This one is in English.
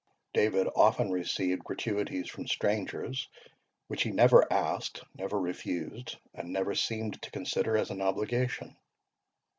David often received gratuities from strangers, which he never asked, never refused, and never seemed to consider as an obligation.